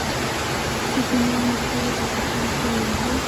څه ګناه مې کړې ده چې تاسې یې وهئ.